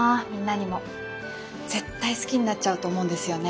絶対好きになっちゃうと思うんですよね